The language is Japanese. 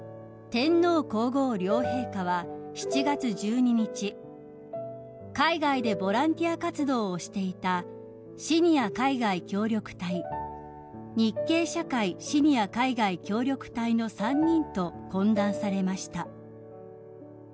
［天皇皇后両陛下は７月１２日海外でボランティア活動をしていたシニア海外協力隊日系社会シニア海外協力隊の３人と懇談されました］